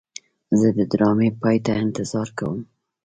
زه د ډرامې پای ته انتظار کوم.